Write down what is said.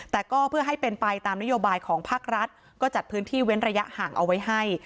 แต่ก็เพื่อให้เป็นไปตามนโยบายของภาครัฐก็จัดพื้นที่เว้นระยะห่างเอาไว้ให้